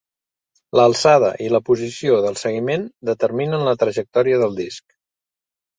L'alçada i la posició del seguiment determinen la trajectòria del disc.